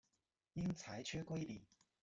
因裁缺归里。